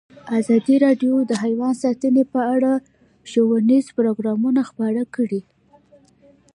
ازادي راډیو د حیوان ساتنه په اړه ښوونیز پروګرامونه خپاره کړي.